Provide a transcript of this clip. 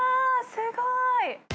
すごい！